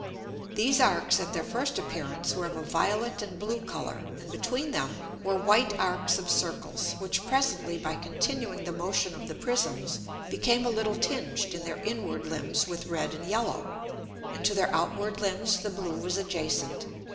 [Illustration: FIG. 1.] These Arcs at their first appearance were of a violet and blue Colour, and between them were white Arcs of Circles, which presently by continuing the Motion of the Prisms became a little tinged in their inward Limbs with red and yellow, and to their outward Limbs the blue was adjacent.